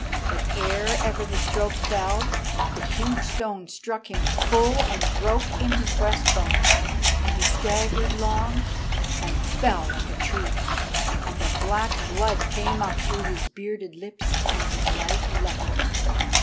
But ere ever the stroke fell, the huge stone struck him full and broke in his breast bone, and he staggered long, and fell like a tree, and the black blood came up through his bearded lips, and his life left him.